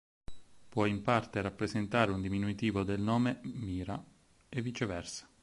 Può in parte rappresentare un diminutivo del nome Mira, e viceversa.